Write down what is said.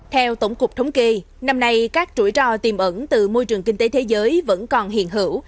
theo tổng cục thống kỳ năm nay các chuỗi rò tiềm ẩn từ môi trường kinh tế thế giới vẫn còn hiện hữu